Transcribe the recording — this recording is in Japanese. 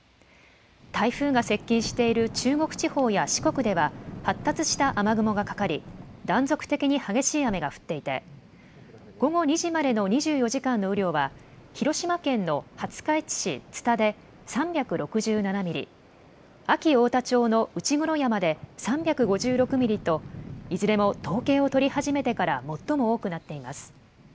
台風が接近している中国地方や四国では、発達した雨雲がかかり、断続的に激しい雨が降っていて、午後２時までの２４時間の雨量は、広島県の廿日市市津田で３６７ミリ、安芸太田町の内黒山で３５６ミリと、いずれも統計を取り始めてから最も多くなっています。